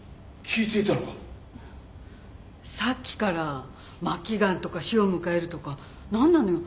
さっきから末期がんとか死を迎えるとか何なのよ。